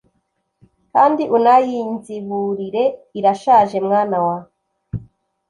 kandi unayinziburire irashaje mwana wa"